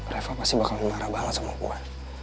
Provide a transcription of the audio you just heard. reva pasti bakal marah banget sama kuat